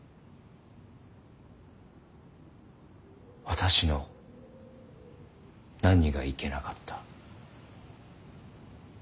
私の何がいけなかった。